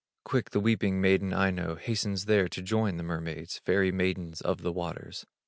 Quick the weeping maiden, Aino, Hastens there to join the mermaids, Fairy maidens of the waters.